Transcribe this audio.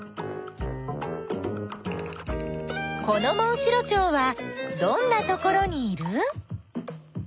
このモンシロチョウはどんなところにいる？